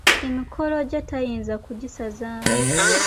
Emikolo gye tayinza kugisazaamu.